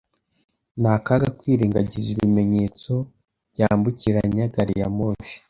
Ni akaga kwirengagiza ibimenyetso byambukiranya gari ya moshi.